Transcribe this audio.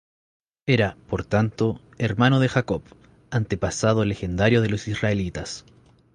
Era, por tanto, hermano de Jacob, antepasado legendario de los israelitas.